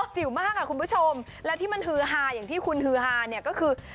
จิ๋วมากอ่ะคุณผู้ชมและที่มันฮือฮาอย่างที่คุณฮือฮาเนี่ยก็คือ